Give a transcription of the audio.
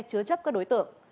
chứa chấp các đối tượng